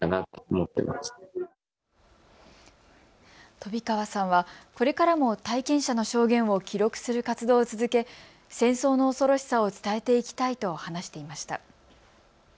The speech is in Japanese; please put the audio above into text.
飛川さんは、これからも体験者の証言を記録する活動を続け戦争の恐ろしさを伝えていきたいと話していました。